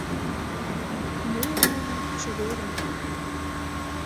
— Ну, Унавий, чеверын!